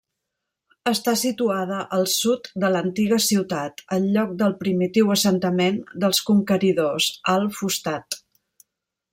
Està situada al sud de l'antiga ciutat, al lloc del primitiu assentament dels conqueridors, al-Fustat.